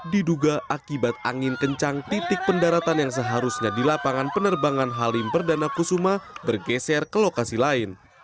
diduga akibat angin kencang titik pendaratan yang seharusnya di lapangan penerbangan halim perdana kusuma bergeser ke lokasi lain